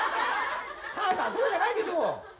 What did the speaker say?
母さんそうじゃないでしょ！